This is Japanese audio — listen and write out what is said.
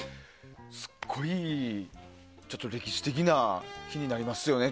すごい歴史的な日になりますよね